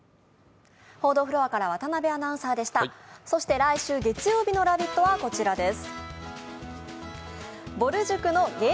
来週月曜日の「ラヴィット！」はこちらです。